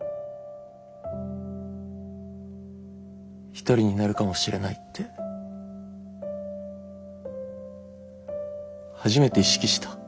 １人になるかもしれないって初めて意識した。